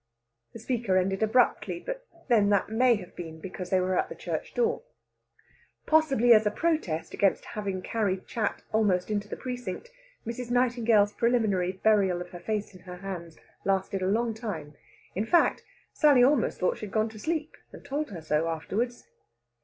The speaker ended abruptly; but then that may have been because they were at the church door. Possibly as a protest against having carried chat almost into the precinct, Mrs. Nightingale's preliminary burial of her face in her hands lasted a long time in fact, Sally almost thought she had gone to sleep, and told her so afterwards.